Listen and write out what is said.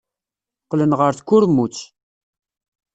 Qqlen ɣer tkurmut.